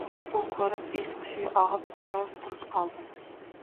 U koʻrib es-xushi ogʻib, biroz turib qoldi.